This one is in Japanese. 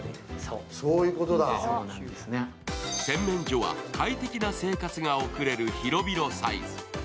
洗面所は快適な生活が送れる広々サイズ。